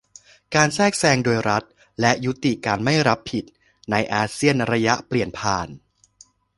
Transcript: การแทรกแซงโดยรัฐ และการยุติการไม่รับผิด ในอาเซียนระยะเปลี่ยนผ่าน